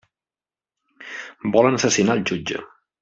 Volen assassinar el jutge.